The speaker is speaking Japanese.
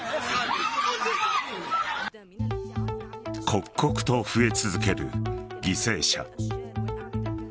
刻々と増え続ける犠牲者。